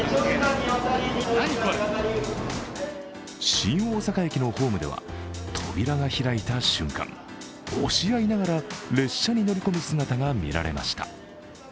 新大阪駅のホームでは扉が開いた瞬間、押し合いながら列車に乗り込む姿が見られました。